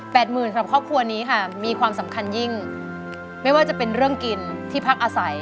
หมื่นสำหรับครอบครัวนี้ค่ะมีความสำคัญยิ่งไม่ว่าจะเป็นเรื่องกินที่พักอาศัย